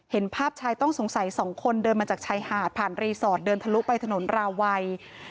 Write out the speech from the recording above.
เห็นภาพชายต้องสงสัยสองคนเดินมาจากชายหาดผ่านรีสอร์ทเดินทะลุไปถนนราวัย